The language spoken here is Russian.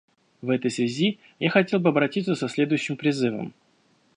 В этой связи я хотел бы обратиться со следующим призывом.